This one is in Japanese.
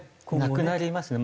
なくなりますね。